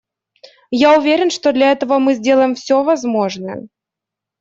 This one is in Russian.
Я уверен, что для этого мы сделаем все возможное.